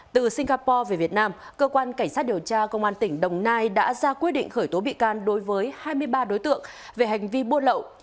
từ singapore về việt nam cơ quan cảnh sát điều tra công an tỉnh đồng nai đã ra quyết định khởi tố bị can đối với hai mươi ba đối tượng về hành vi buôn lậu